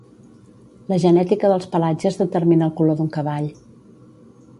La genètica dels pelatges determina el color d'un cavall.